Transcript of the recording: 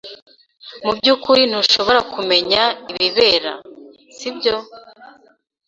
Mubyukuri ntushobora kumenya ibibera, sibyo?